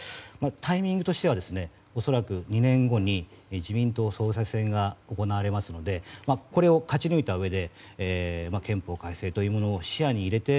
タイミングとしては、恐らく２年後に自民党総裁選が行われますのでこれを勝ち抜いたうえで憲法改正というものを視野に入れて